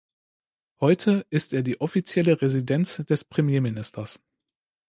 Heute ist er die offizielle Residenz des Premierministers.